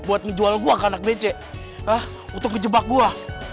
bagaimana anak bc untuk ngejebak gua